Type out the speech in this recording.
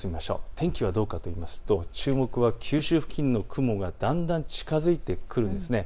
天気はどうかといいますと注目は九州付近の雲がだんだん近づいてくるんです。